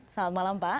selamat malam pak